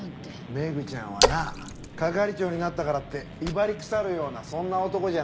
メグちゃんはな係長になったからって威張りくさるようなそんな男じゃない！